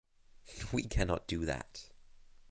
We cannot do that.